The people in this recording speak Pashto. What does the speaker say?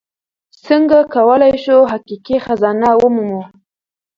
څنګه کولی شو حقیقي خزانه ومومو؟